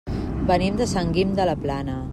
Venim de Sant Guim de la Plana.